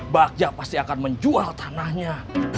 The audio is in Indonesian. bakja pasti akan menjual tanahnya